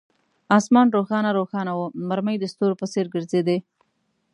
آسمان روښانه روښانه وو، مرمۍ د ستورو په څیر ګرځېدې.